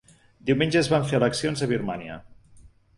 Diumenge es van fer eleccions a Birmània.